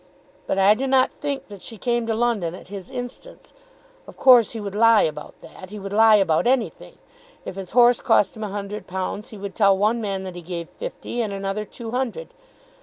But I do not think that she came to London at his instance. Of course he would lie about that. He would lie about anything. If his horse cost him a hundred pounds, he would tell one man that he gave fifty, and another two hundred.